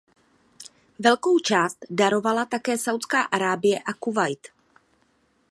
Velkou částku darovala také Saúdská Arábie a Kuvajt.